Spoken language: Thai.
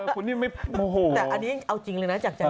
คุณนี่ไม่โมโหแต่อันนี้เอาจริงเลยนะจากใจ